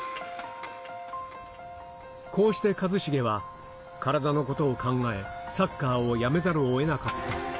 こうして一成は、体のことを考え、サッカーをやめざるをえなかった。